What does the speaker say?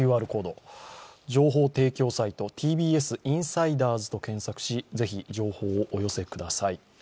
ＱＲコード、情報提供サイト、ＴＢＳインサイダーズと検索し、ぜひ情報をお寄せください。